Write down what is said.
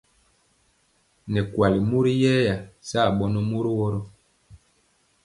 Nɛ kuali mori yɛya saa bɔnɔ mori woro.